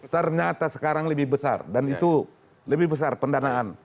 ternyata sekarang lebih besar dan itu lebih besar pendanaan